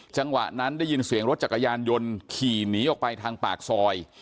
จังหวะนั้นได้ยินเสียงรถจักรยานยนต์ขี่หนีออกไปทางปากซอย